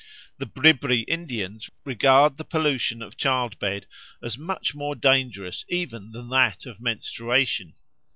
The Bribri Indians regard the pollution of childbed as much more dangerous even than that of menstruation.